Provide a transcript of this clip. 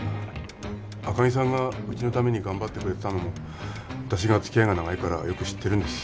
赤木さんがうちのために頑張ってくれてたのも私がつきあいが長いからよく知ってるんです